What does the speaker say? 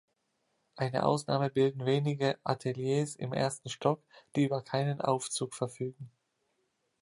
Eine Ausnahme bilden wenige Ateliers im ersten Stock, die über keinen Aufzug verfügen.